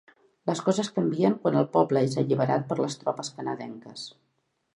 Les coses canvien quan el poble és alliberat per les tropes canadenques.